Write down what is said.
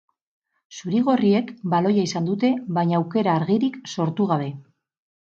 Zuri-gorriek baloia izan dute baina aukera argirik sortu gabe.